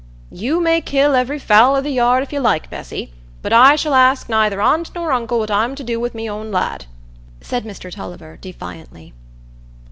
"You may kill every fowl i' the yard if you like, Bessy; but I shall ask neither aunt nor uncle what I'm to do wi' my own lad," said Mr Tulliver, defiantly.